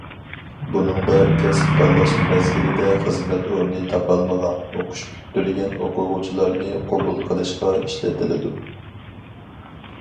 بۇنىڭدا، كەسىپ تاللاش مەزگىلىدە خىزمەت ئورنى تاپالمىغان ئۇقۇش پۈتتۈرگەن ئوقۇغۇچىلارنى قوبۇل قىلىشقا ئىشلىتىلىدۇ.